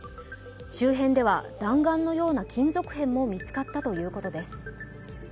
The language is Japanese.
周辺では弾丸のような金属片も見つかったということです。